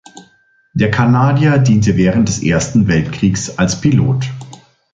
Der Kanadier diente während des Ersten Weltkriegs als Pilot.